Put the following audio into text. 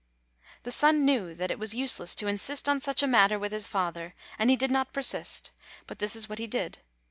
The son knew that it was useless to insist on such a matter with his father, and he did not persist; but this is what he did.